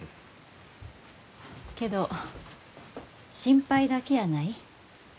けど心配だけやない。